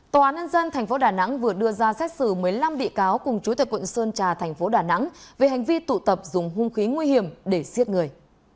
tòa án ân dân tp đà nẵng vừa đưa ra xét xử một mươi năm bị cáo cùng chủ tịch quận sơn trà tp đà nẵng về hành vi tụ tập dùng hung khí nguy hiểm để siết người